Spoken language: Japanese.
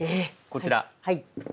こちら。